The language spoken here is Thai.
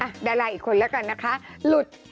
อ่ะแดลายอีกคนแล้วกันนะคะหลุด